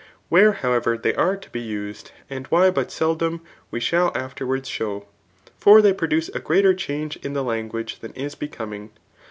Where, howeVer, they are to be used, and why but seldom, we: shall afterwards show. For they pro« duce a greater change in the language than is biecomiiig.